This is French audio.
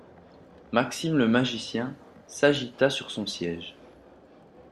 Maxime le magicien s’agita sur son siège.